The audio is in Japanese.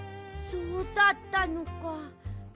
そうだったのか。